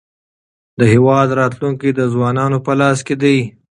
د هېواد راتلونکی د ځوانانو په لاس کې دی.